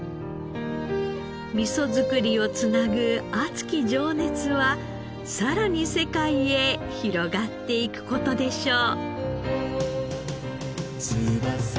味噌造りを繋ぐ熱き情熱はさらに世界へ広がっていく事でしょう。